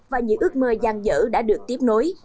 và những ước mơ gian dở đã được tiếp nối